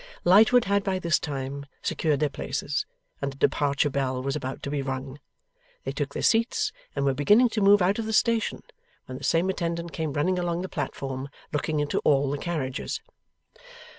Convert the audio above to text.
Lightwood had by this time secured their places, and the departure bell was about to be rung. They took their seats, and were beginning to move out of the station, when the same attendant came running along the platform, looking into all the carriages.